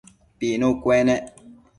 Pinu cuenec